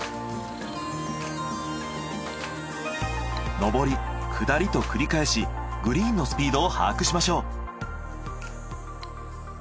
上り下りと繰り返しグリーンのスピードを把握しましょう。